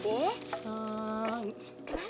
bang mawi ada